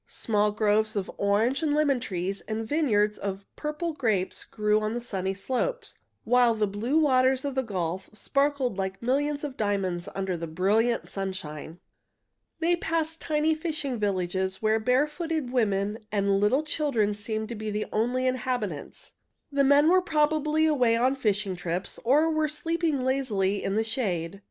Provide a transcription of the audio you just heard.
Small groves of orange and lemon trees and vineyards of purple grapes grew on the sunny slopes, while the blue waters of the gulf sparkled like millions of diamonds under the brilliant sunshine. They passed tiny fishing villages where barefooted women and little children seemed to be the only inhabitants. The men were probably away on fishing trips, or were sleeping lazily in the shade.